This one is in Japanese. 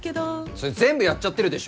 それ全部やっちゃってるでしょ。